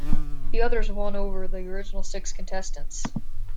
The others won over the original six contestants.